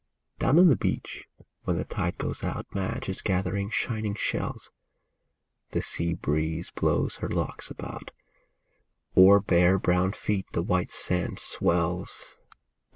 Down on the beach, when the tide goes out, Madge is gathering shining shells ; The sea breeze blows her locks about ; O'er bare, brown feet the white sand swells.